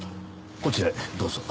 こちらへどうぞ。